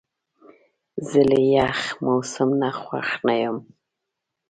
زه له یخ موسم نه خوښ نه یم.